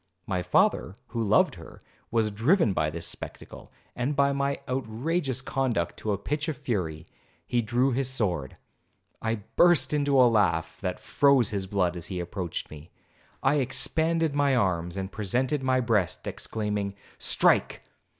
My father, who loved her, was driven by this spectacle, and by my outrageous conduct, to a pitch of fury—he drew his sword. I burst into a laugh, that froze his blood as he approached me. I expanded my arms, and presented my breast exclaiming, 'Strike!